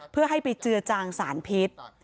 เพื่อให้ไปเจือจางสารพิษ